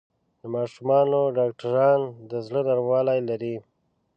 د ماشومانو ډاکټران د زړۀ نرموالی لري.